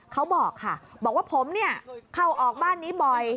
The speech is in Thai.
เขาบอกค่ะบอกว่าผมเนี่ยเข้าออกบ้านนี้บ่อย